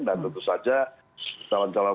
dan tentu saja calon calon